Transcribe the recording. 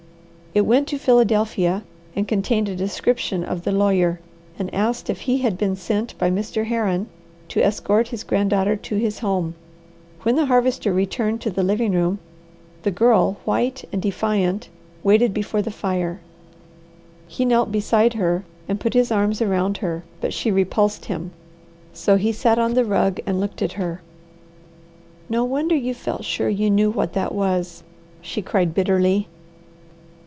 It went to Philadelphia and contained a description of the lawyer, and asked if he had been sent by Mr. Herron to escort his grand daughter to his home. When the Harvester returned to the living room the Girl, white and defiant, waited before the fire. He knelt beside her and put his arms around her, but she repulsed him; so he sat on the rug and looked at her. "No wonder you felt sure you knew what that was!" she cried bitterly.